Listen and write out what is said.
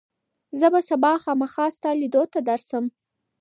زه به سبا خامخا ستا لیدو ته درشم.